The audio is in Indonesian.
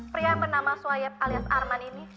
pria yang bernama suaib alias arman ini